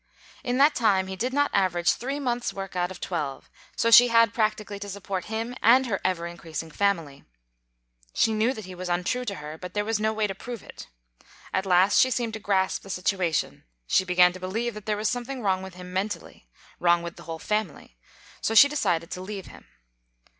In that time he did not average three months' work out of twelve, so she had, practically, to support him and her ever increasing family. She knew that he was untrue to her, but there was no way to prove it. At last she seemed to grasp the situation. She began to believe that there was something wrong with him mentally, wrong with the whole family, so she decided to leave him.